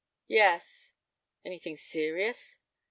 "Yes." "Anything serious?"